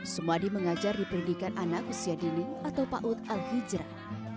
sumadi mengajar di pendidikan anak usia dini atau paut al hijrah